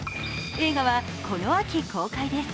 映画はこの秋公開です。